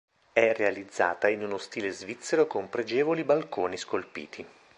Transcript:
È realizzata in uno stile svizzero con pregevoli balconi scolpiti.